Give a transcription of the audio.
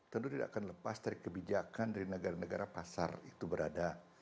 tentu tidak akan lepas dari kebijakan dari negara negara pasar itu berada